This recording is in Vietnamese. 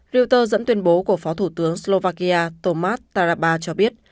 reuters dẫn tuyên bố của phó thủ tướng slovakia tomat taraba cho biết